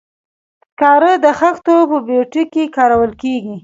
سکاره د خښتو په بټیو کې کارول کیږي.